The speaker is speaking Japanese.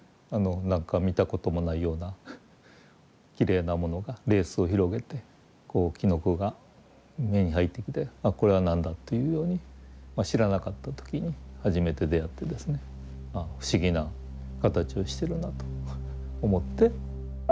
何か見たこともないようなきれいなものがレースを広げてこうきのこが目に入ってきてあっこれは何だというように知らなかった時に初めて出会ってですねああ不思議な形をしてるなと思って。